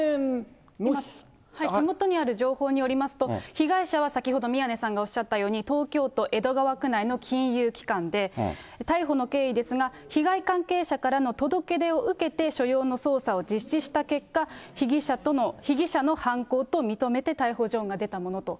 手元にある情報によりますと、被害者は先ほど宮根さんがおっしゃったように、東京都江戸川区内の金融機関で、逮捕の経緯ですが、被害関係者からの届け出を受けて所要の捜査を実施した結果、被疑者の犯行と認めて逮捕状が出たものと。